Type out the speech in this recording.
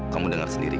kamu dengar saja amira